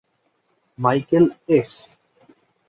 Michael S.